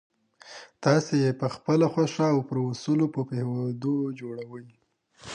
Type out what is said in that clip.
تاسې یې پخپله خوښه او پر اصولو په پوهېدو جوړوئ